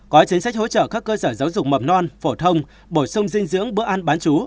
có chính sách hỗ trợ các cơ sở giáo dục mầm non phổ thông bổ sung dinh dưỡng bữa ăn bán chú